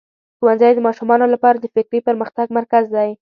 ښوونځی د ماشومانو لپاره د فکري پرمختګ مرکز دی.